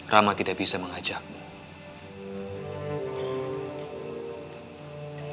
rama tidak bisa mengajakmu